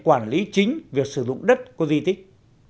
quản lý chính việc sử dụng đất của di tích